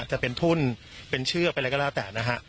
จะเป็นทุ่นเป็นเชือกเป็นอะไรก็แล้วแต่นะฮะ